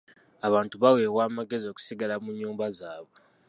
Abantu baweebwa amagezi okusigala mu nnyumba zaabwe.